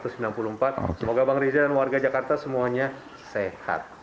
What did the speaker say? semoga bang riza dan warga jakarta semuanya sehat